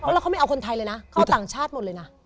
แล้วเขาไม่เอาคนไทยเลยนะเข้าต่างชาติหมดเลยนะ